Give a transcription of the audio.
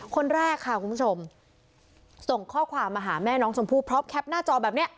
คนแรกค่ะคุณผู้ชมส่งข้อความมาหาแม่น้องชมพู่พร้อมแคปหน้าจอแบบนี้